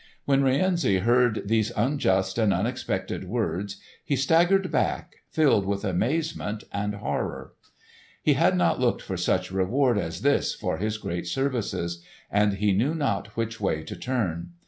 When Rienzi heard these unjust and unexpected words, he staggered back filled with amazement and horror. He had not looked for such reward as this for his great services, and he knew not which way to turn.